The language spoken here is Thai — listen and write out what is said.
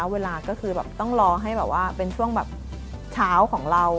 เวลาก็คือต้องรอให้เป็นช่วงเช้าของเรา